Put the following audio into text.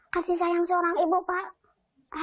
kasih sayang seorang ibu pak